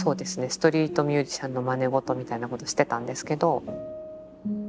ストリートミュージシャンのまねごとみたいなことしてたんですけど。